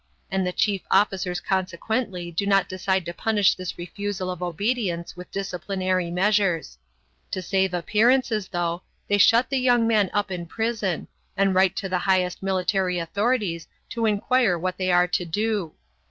And the chief officers consequently do not decide to punish this refusal of obedience with disciplinary measures. To save appearances, though, they shut the young man up in prison, and write to the highest military authorities to inquire what they are to do.